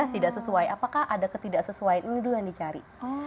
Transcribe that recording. tidak sesuai apakah ada ketidaksesuaian ini dulu yang dicari